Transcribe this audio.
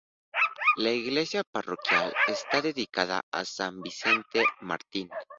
La Iglesia Parroquial está dedicada a San Vicente Mártir.